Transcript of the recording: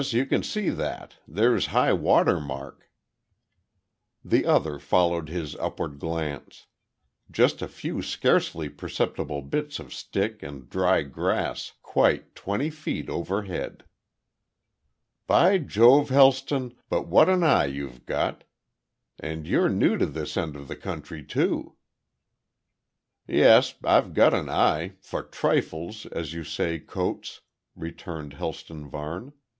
You can see that. There's high watermark." The other followed his upward glance. Just a few scarcely perceptible bits of stick and dry grass quite twenty feet overhead. "By Jove, Helston, but what an eye you've got. And you're new to this end of the country too." "Yes. I've got an eye for trifles as you say, Coates," returned Helston Varne.